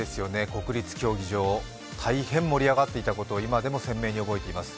国立競技場、大変盛り上がったことを今でも鮮明に覚えています。